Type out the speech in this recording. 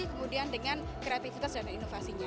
kemudian dengan kreativitas dan inovasinya